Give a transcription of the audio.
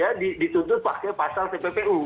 maka bisa juga dituntut pakai pasal tppu